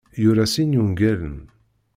Yura sin wungalen.